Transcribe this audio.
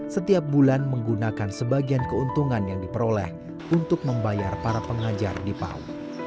setiap bulan menggunakan sebagian keuntungan yang diperoleh untuk membayar para pengajar di pau